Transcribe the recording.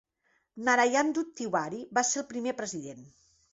Narayan Dutt Tiwari va ser el primer president.